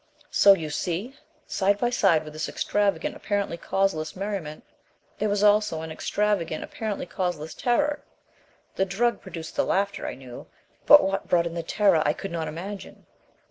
"So, you see, side by side with this extravagant, apparently causeless merriment, there was also an extravagant, apparently causeless, terror. The drug produced the laughter, I knew; but what brought in the terror I could not imagine.